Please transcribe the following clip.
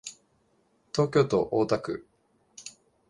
東京都大田区